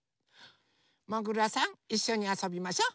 もぐらさんいっしょにあそびましょ。